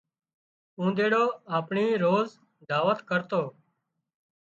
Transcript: اونۮيڙو آپڻي روز دعوت ڪرتو